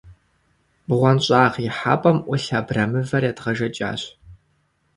БгъуэнщӀагъ ихьэпӀэм Ӏулъ абрэмывэр едгъэжэкӏащ.